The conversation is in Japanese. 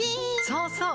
そうそう！